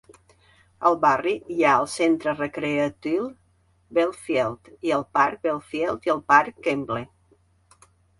Al barri hi ha el centre recreatiu Belfield, el parc Belfield i el parc Kemble.